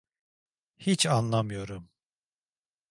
Hiç anlamıyorum.